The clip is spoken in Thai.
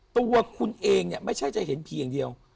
ตัวคุณเองเนี่ยไม่ใช่จะเห็นผีอย่างเดียว